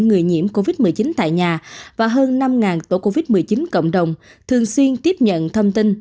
người nhiễm covid một mươi chín tại nhà và hơn năm tổ covid một mươi chín cộng đồng thường xuyên tiếp nhận thông tin